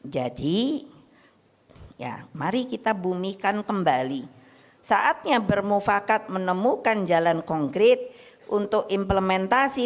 jadi ya mari kita bumikan kembali saatnya bermufakat menemukan jalan konkret untuk implementasi